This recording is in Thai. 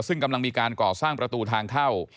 ซึ่งกำลังมีการก่อสร้างประตูทางเข้า